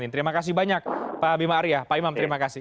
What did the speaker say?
terima kasih banyak pak bima arya pak imam terima kasih